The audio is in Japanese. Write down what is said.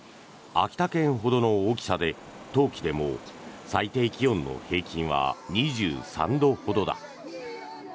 秋田県ほどの大きさで冬季でも最低気温の平均は２３度ほどだ。